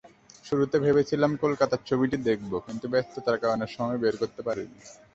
শুরুতে ভেবেছিলাম কলকাতায় ছবিটি দেখব, কিন্তু ব্যস্ততার কারণে সময় বের করতে পারিনি।